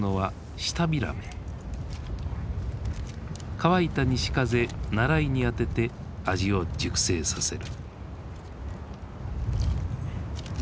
乾いた西風ナライにあてて味を熟成させる。